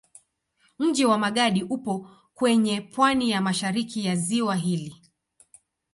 Mji wa Magadi upo kwenye pwani ya mashariki ya ziwa hili.